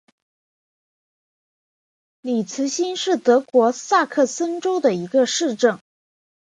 里茨兴是德国萨克森州的一个市镇。